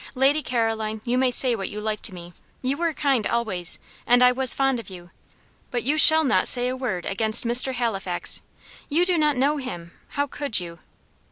"Lady Caroline, you may say what you like to me; you were kind always, and I was fond of you; but you shall not say a word against Mr. Halifax. You do not know him how could you?"